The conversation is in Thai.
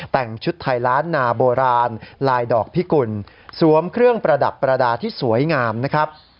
แต่งชุดไทยล้านนาโบราณลายดอกพิกุลสวมเครื่องประดับประดาษที่สวยงามนะครับ